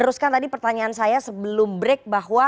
terima kasih anda mas imin